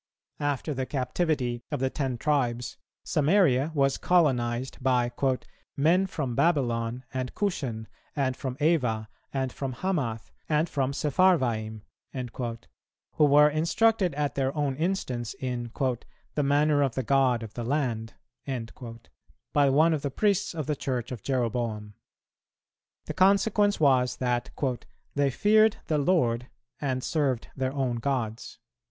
After the captivity of the ten tribes, Samaria was colonized by "men from Babylon and Cushan, and from Ava, and from Hamath, and from Sepharvaim," who were instructed at their own instance in "the manner of the God of the land," by one of the priests of the Church of Jeroboam. The consequence was, that "they feared the Lord and served their own gods."